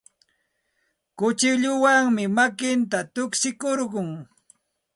Kuchilluwanmi makinta tukshikurqun.